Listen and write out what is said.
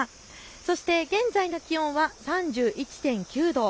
そして現在の気温は３１．９度。